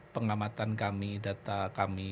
pengamatan kami data kami